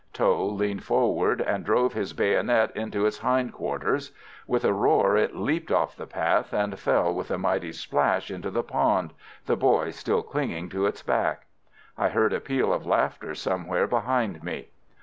Tho leaned forward, and drove his bayonet into its hind quarters. With a roar it leaped off the path, and fell with a mighty splash into the pond, the boy still clinging to its back. I heard a peal of laughter somewhere behind me.